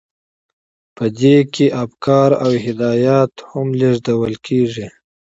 په دې کې افکار او هدایات هم لیږدول کیږي.